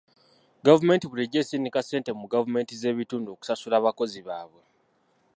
Gavumenti bulijjo esindika ssente mu gavumenti z'ebitundu okusasula abakozi babwe.